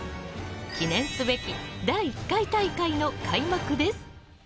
記念すべき第１回大会の開幕です！